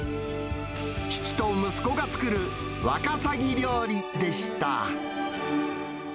父と息子が作るワカサギ料理でした。